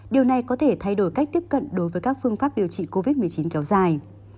điều này có thể thay đổi cách tiếp cận đối với các phương pháp điều trị covid một mươi chín kéo dài